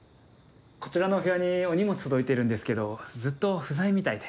こちらのお部屋にお荷物届いてるんですけどずっと不在みたいで。